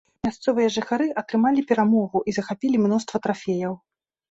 Мясцовыя жыхары атрымалі перамогу і захапілі мноства трафеяў.